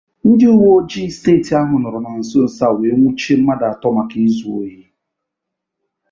ndị uweojii steeti ahụ nọrọ na nsonso a wee nwụchie mmadụ atọ maka izu ohi.